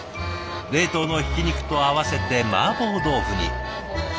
冷凍のひき肉と合わせてマーボー豆腐に。